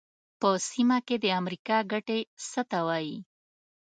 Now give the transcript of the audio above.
په سیمه کې د امریکا ګټې څه ته وایي.